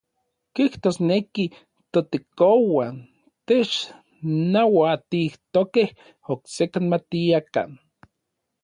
Kijtosneki ToTekouan technauatijtokej oksekan matiakan.